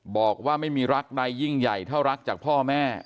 บอกว่าไม่มีรักใดยิ่งใหญ่เท่ารักจากพ่อแม่